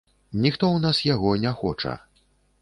Ніхто ў нас яго не хоча.